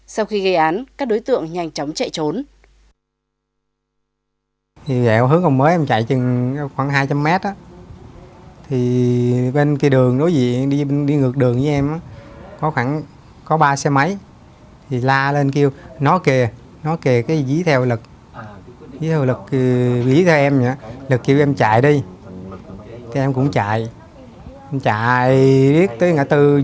sau khi gây án các đối tượng nhanh chóng chạy trốn